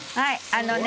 あのね